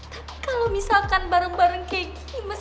tapi kalau misalkan bareng bareng kayak gini mas